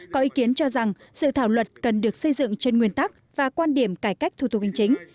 có ý kiến cho rằng sự thảo luật cần được xây dựng trên nguyên tắc và quan điểm cải cách thủ tục hành chính